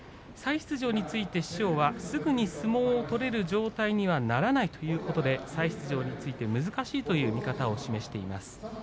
再出場については師匠はすぐに相撲が取れる状態にはならないということで再出場については難しいという見方を示しています。